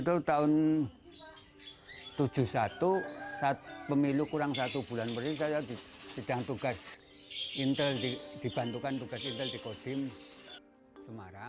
itu tahun seribu sembilan ratus tujuh puluh satu saat pemilu kurang satu bulan berikut saya di bidang tugas intel dibantukan tugas intel di kodim semarang